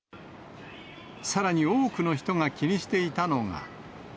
さらに多くの人が気にしていたのが。